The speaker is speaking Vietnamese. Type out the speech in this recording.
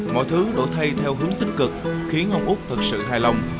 mọi thứ đổi thay theo hướng tính cực khiến ông úc thật sự hài lòng